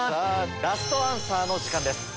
ラストアンサーの時間です。